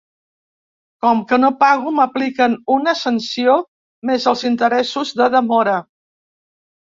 Com que no pago, m’apliquen una sanció, mes els interessos de demora.